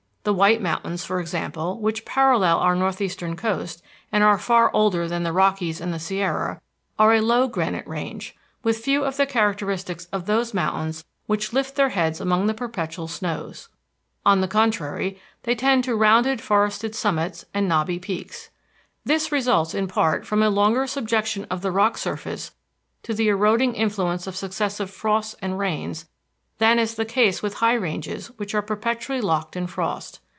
The White Mountains, for example, which parallel our northeastern coast, and are far older than the Rockies and the Sierra, are a low granite range, with few of the characteristics of those mountains which lift their heads among the perpetual snows. On the contrary, they tend to rounded forested summits and knobby peaks. This results in part from a longer subjection of the rock surface to the eroding influence of successive frosts and rains than is the case with high ranges which are perpetually locked in frost.